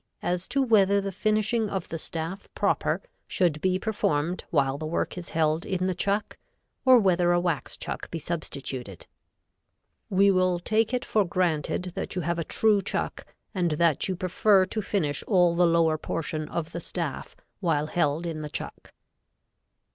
_, as to whether the finishing of the staff proper, should be performed while the work is held in the chuck, or whether a wax chuck be substituted. We will take it for granted that you have a true chuck and that you prefer to finish all the lower portion of the staff while held in the chuck.